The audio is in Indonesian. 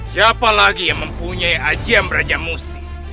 siapa lagi yang mempunyai ajian raja musti